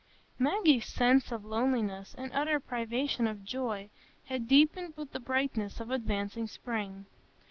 Maggie's sense of loneliness, and utter privation of joy, had deepened with the brightness of advancing spring.